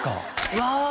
うわ！